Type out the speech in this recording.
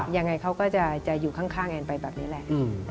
ยังไงเขาก็จะอยู่ข้างแอนไปแบบนี้แหละ